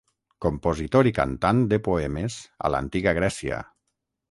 Compositor i cantant de poemes a l'antiga Grècia.